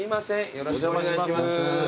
よろしくお願いします。